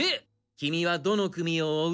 キミはどの組を追う？